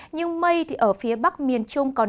nhưng mây ở phía bắc miền trung còn